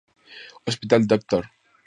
Hospital Dr.